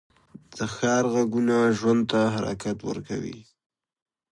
د ښار غږونه ژوند ته حرکت ورکوي